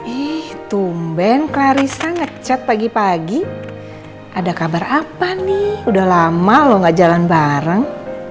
ih tumben clarissa ngecet pagi pagi ada kabar apa nih udah lama loh gak jalan bareng